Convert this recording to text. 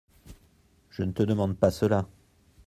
Je ne te demande pas cela.